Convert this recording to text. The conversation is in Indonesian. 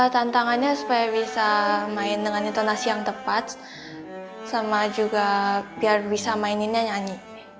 tantangannya supaya bisa main dengan intonasi yang tepat sama juga biar bisa maininnya nyanyi